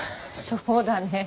そうだね。